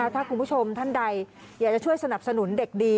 ถ้าคุณผู้ชมท่านใดอยากจะช่วยสนับสนุนเด็กดี